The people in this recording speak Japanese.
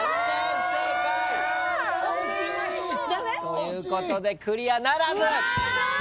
不正解！ということでクリアならず！